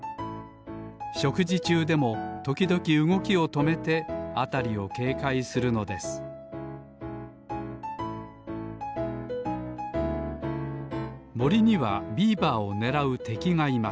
しょくじちゅうでもときどきうごきをとめてあたりをけいかいするのですもりにはビーバーをねらうてきがいま